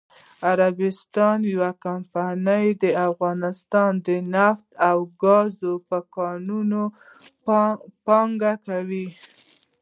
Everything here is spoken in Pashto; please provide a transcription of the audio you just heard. عربستان یوه کمپنی دافغانستان نفت او ګازو په کانونو پانګونه کوي.😱